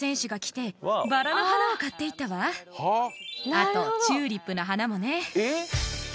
あとチューリップの花もね。